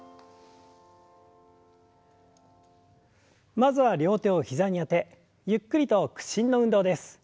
まずは両手を膝にあてゆっくりと屈伸の運動です。